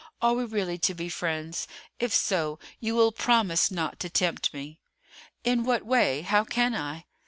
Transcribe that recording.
Are we really to be friends? If so, you will promise not to tempt me." "In what way? How can I?"